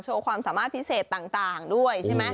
ความสามารถพิเศษต่างด้วยใช่ไหม